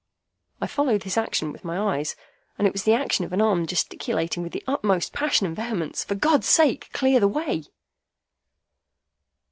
I followed his action with my eyes, and it was the action of an arm gesticulating, with the utmost passion and vehemence, "For God's sake, clear the way!"